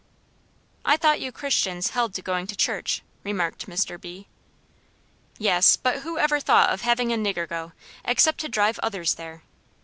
"I thought you Christians held to going to church," remarked Mr. B. "Yes, but who ever thought of having a nigger go, except to drive others there?